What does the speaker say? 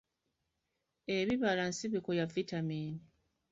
Ebibala nsibuko ya vitamiini.